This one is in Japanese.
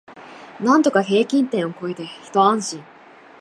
なんとか平均点を超えてひと安心